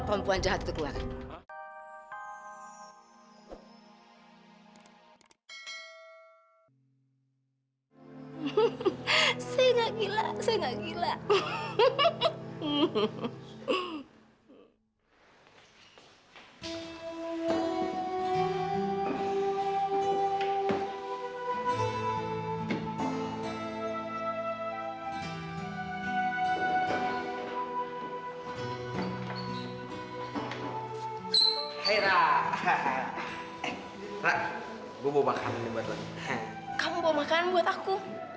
kamu bawa makanan buat aku